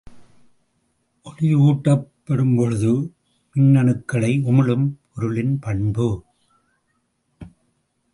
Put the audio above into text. ஒளியூட்டப்படும்பொழுது மின்னணுக்களை உமிழும் பொருளின் பண்பு.